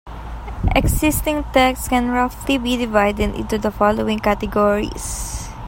Existing texts can roughly be divided into the following categories.